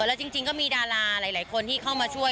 แล้วจริงก็มีดาราหลายคนที่เข้ามาช่วย